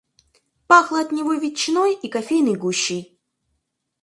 Пахло от него ветчиной и кофейной гущей.